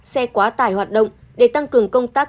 xe quá tải hoạt động để tăng cường công tác